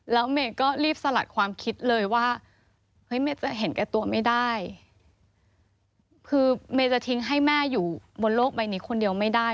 แล้วเมย์ก็รีบสลัดความคิดเลยว่าเฮ้ยเมย์จะเห็นแก่ตัวไม่ได้คือเมย์จะทิ้งให้แม่อยู่บนโลกใบนี้คนเดียวไม่ได้